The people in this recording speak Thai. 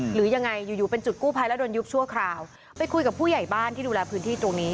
หรือยังไงอยู่อยู่เป็นจุดกู้ภัยแล้วโดนยุบชั่วคราวไปคุยกับผู้ใหญ่บ้านที่ดูแลพื้นที่ตรงนี้